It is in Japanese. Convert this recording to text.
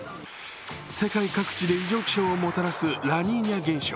世界各地に異常気象をもたらすラニーニャ現象。